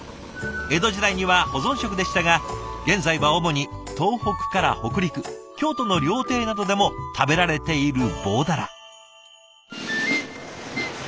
江戸時代には保存食でしたが現在は主に東北から北陸京都の料亭などでも食べられている棒鱈。